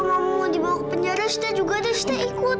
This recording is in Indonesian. kalau mau dibawa ke penjara saya juga ada saya ikut